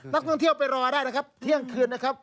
นักท่องเที่ยวไปรอได้นะครับเที่ยงคืนนะครับ